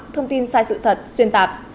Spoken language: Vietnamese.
thông tin sai sự thật xuyên tạp